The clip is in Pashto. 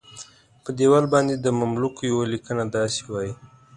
په دیوال باندې د مملوک یوه لیکنه داسې وایي.